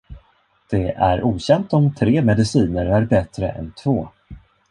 Det är okänt om tre mediciner är bättre än två.